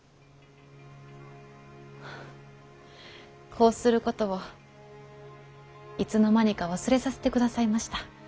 こうすることをいつの間にか忘れさせてくださいました。